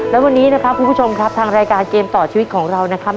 และวันนี้นะครับคุณผู้ชมครับทางรายการเกมต่อชีวิตของเรานะครับ